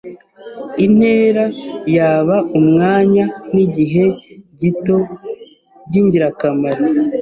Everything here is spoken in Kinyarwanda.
intera yaba umwanya nigihe gito byingirakamaro